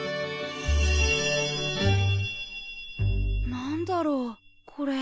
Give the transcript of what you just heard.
何だろうこれ。